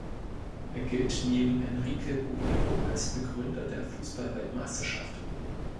Er gilt neben Enrique Buero als Begründer der Fußball-Weltmeisterschaft.